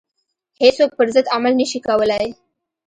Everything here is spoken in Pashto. هیڅوک پر ضد عمل نه شي کولای.